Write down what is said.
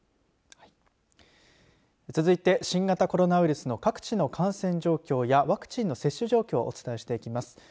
続いて新型コロナウイルスの各地の感染状況やワクチンの接種状況をお伝えしていきます。